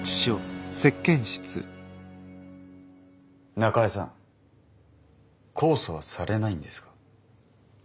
中江さん控訴はされないんですか？